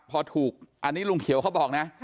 พอถูกอันนี้ลุงเขียวเขาบอกนะ